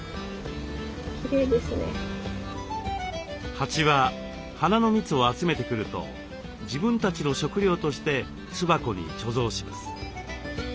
蜂は花の蜜を集めてくると自分たちの食料として巣箱に貯蔵します。